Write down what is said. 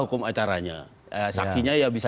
hukum acaranya saksinya ya bisa